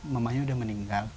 mamanya udah meninggal